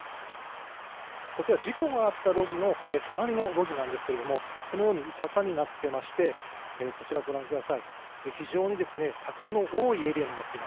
こちら、事故があった路地の隣の路地なんですがこのように坂になっていましてこちらをご覧ください。